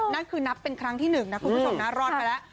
นั่นคือนับเป็นครั้งที่หนึ่งนะคุณผู้ชมนะรอดไปแล้ว